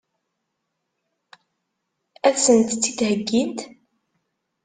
Ad sent-tt-id-heggint?